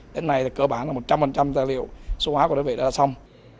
đến nay cỡ bản là một trăm linh gia liệu số hóa của đơn vị đã xong